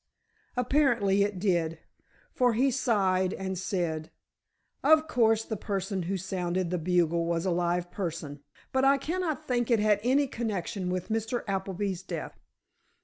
Apparently it did, for he sighed and said: "Of course the person who sounded that bugle was a live person, but I cannot think it had any connection with Mr. Appleby's death.